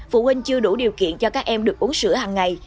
phụ huynh chưa đủ điều kiện cho các em được uống sữa hằng ngày